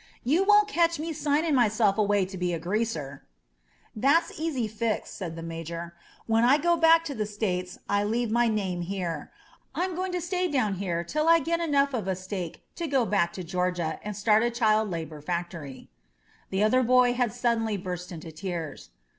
You won't catch me signing myself away to be a greaser." "That's easy fixed," said the Major. "When I go back to the States I leave my name here. I'm going to stay down here till I get enough of a stake to go back to Greorgia and start a child labor factory." The other boy had suddenly burst into tears.